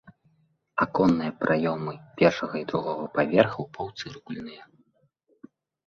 Аконныя праёмы першага і другога паверхаў паўцыркульныя.